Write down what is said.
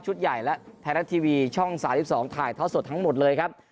ชุดใหญ่และไทยนัททีวีช่องสายลิฟท์๒ถ่ายท้อสดทั้งหมดเลยครับ